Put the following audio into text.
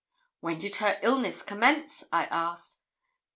'When did her illness commence?' I asked.